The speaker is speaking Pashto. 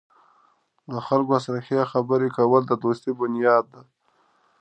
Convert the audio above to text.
له خلکو سره ښې خبرې کول د دوستۍ بنیاد دی.